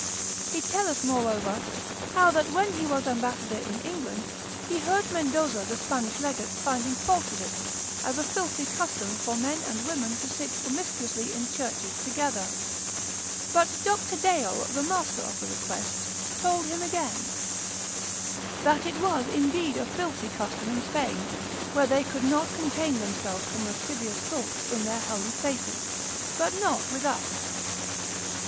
He telleth, moreover, how that when he was ambassador in England, he heard Mendoza the Spanish legate finding fault with it, as a filthy custom for men and women to sit promiscuously in churches together; but Dr. Dale the master of the requests told him again, that it was indeed a filthy custom in Spain, where they could not contain themselves from lascivious thoughts in their holy places, but not with us.